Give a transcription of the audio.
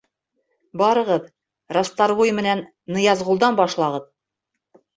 Барығыҙ, Расторгуй менән Ныязғолдан башлағыҙ.